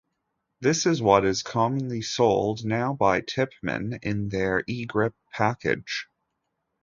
This is what is commonly sold now by Tippmann in their E-Grip package.